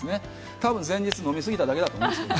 多分、前日飲みすぎただけだと思うんですけど。